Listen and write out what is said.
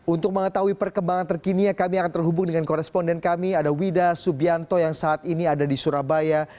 untuk mengetahui perkembangan terkininya kami akan terhubung dengan koresponden kami ada wida subianto yang saat ini ada di surabaya